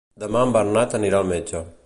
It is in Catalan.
Demà en Bernat anirà al metge.